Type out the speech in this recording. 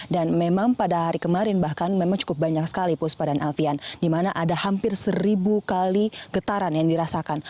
dan memang pada hari kemarin bahkan memang cukup banyak sekali puspa dan alfian di mana ada hampir seribu kali getaran yang dirasakan